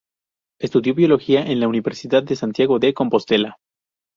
Estudió Biología en la Universidad de Santiago de Compostela.